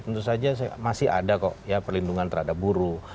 tentu saja masih ada kok ya perlindungan terhadap buruh